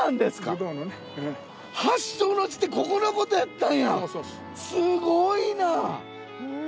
発祥の地ってここのことやったんやすごいな！